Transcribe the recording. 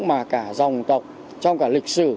mà cả dòng tộc trong cả lịch sử